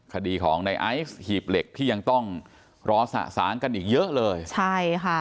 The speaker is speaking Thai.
คดีของในไอซ์หีบเหล็กที่ยังต้องรอสะสางกันอีกเยอะเลยใช่ค่ะ